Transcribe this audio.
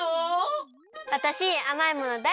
わたしあまいものだいすきなの。